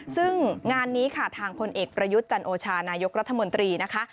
ซึ่งงานนี้ค่ะทางพลเอกประยุทธ์จันโอชานายกรัฐมนตรีนะคะ